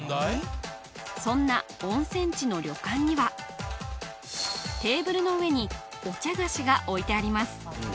そんな温泉地の旅館にはテーブルの上にお茶菓子が置いてあります